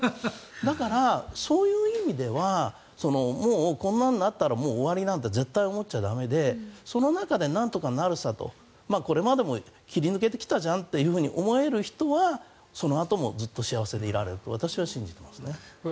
だから、そういう意味ではもうこんなんなったらもう終わりなんて絶対に思っちゃ駄目でその中でなんとかなるさとこれまでも切り抜けてきたじゃんと思える人はそのあともずっと幸せでいられると私は信じていますね。